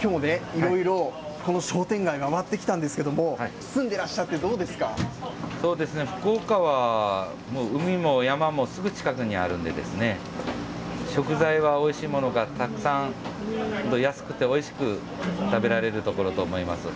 きょうね、いろいろこの商店街、回ってきたんですけれども、そうですね、福岡は海も山もすぐ近くにあるんで、食材はおいしいものがたくさん、安くておいしく食べられる所だと思います。